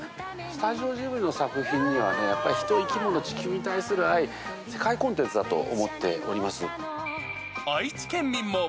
スタジオジブリの作品にはね、やっぱり人、生き物、地球に対する愛、世界コンテンツだと思って愛知県民も。